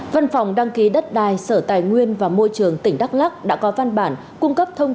văn phòng đăng ký đất đai sở tài nguyên và môi trường tỉnh đắk lắc đã có văn bản cung cấp thông